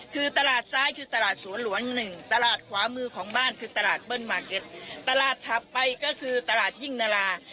คือตลาดซ้ายคือตลาดสวนหลวงหนึ่งตลาดขวามือของบ้านคือตลาดเบิ้ลมาร์เก็ตตลาดถัดไปก็คือตลาดยิ่งนารา